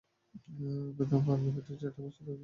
বারান্দার বেতের চেয়ারটাতে বসে থাকতেই বেশি ভালো লাগে।